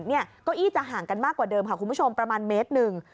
เก้าอี้จะห่างกันมากกว่าเดิมค่ะคุณผู้ชมประมาณเมตรหนึ่ง